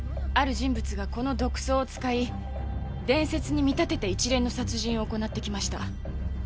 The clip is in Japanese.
ある人物がこの毒草を使い伝説に見立てて一連の殺人を行ってきました。